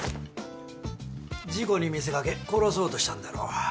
現在事故に見せかけ殺そうとしたんだろう？